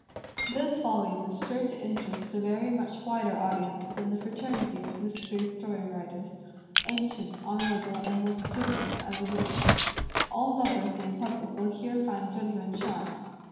This volume is sure to interest a very much wider audience than the fraternity of mystery story writers, ancient, honor able, and multitudinous as it is; all lovers of a puzzle will here find genuine charm.